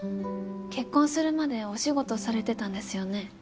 結婚するまでお仕事されてたんですよね？